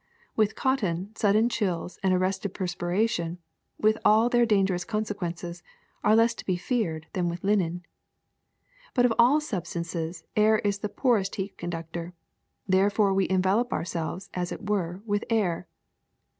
With cotton, sudden chills and arrested perspiration, with all their dangerous consequences, are less to be feared than with linen. *^But of all substances air is the poorest heat con ductor. Therefore we envelop ourselves, as it were, with air.